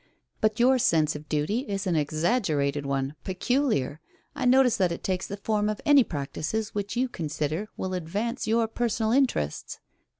"But your sense of duty is an exaggerated one peculiar. I notice that it takes the form of any practices which you consider will advance your personal interests."